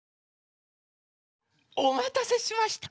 おまたせしました。